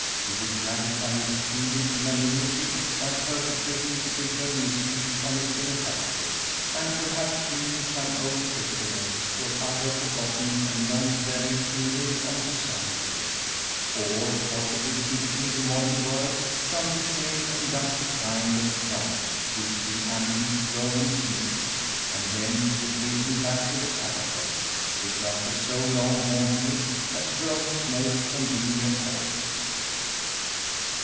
He would gratify his fiendish malignity by perpetrating signal mischief on his benefactor, and perhaps bringing some old pestilence or other forgotten and long buried evil on society; or, possibly, teaching the modern world some decayed and dusty kind of crime, which the antique Romans knew, and then would hasten back to the catacomb, which, after so long haunting it, has grown his most congenial home.